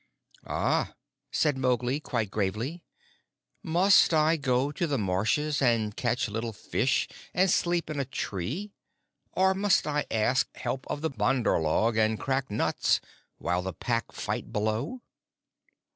"Ah," said Mowgli, quite gravely, "must I go to the marshes and catch little fish and sleep in a tree, or must I ask help of the Bandar log and crack nuts, while the Pack fight below?"